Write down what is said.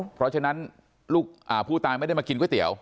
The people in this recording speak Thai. เพราะฉะนั้นผู้ตายไม่ได้มากินก๋วยเตี๋ย